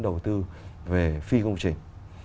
đầu tư về phi công trình